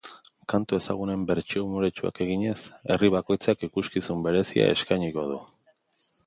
Kantu ezagunen bertsio umoretsuak eginez, herri bakoitzak ikuskizun berezia eskainiko du.